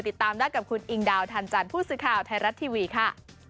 ติดตามได้กับคุณอิงดาวทันจันทร์ผู้สื่อข่าวไทยรัฐทีวีค่ะ